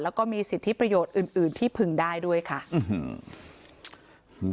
แล้วก็มีสิทธิประโยชน์อื่นอื่นที่พึงได้ด้วยค่ะอืม